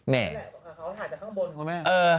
แหละ